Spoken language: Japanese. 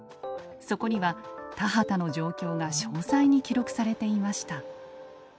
そこには田畑の状況が詳細に記録されていました。